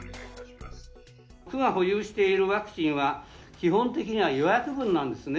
区が保有しているワクチンは、基本的には予約分なんですね。